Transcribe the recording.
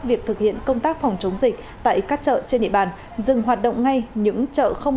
việc thực hiện công tác phòng chống dịch tại các chợ trên địa bàn dừng hoạt động ngay những chợ không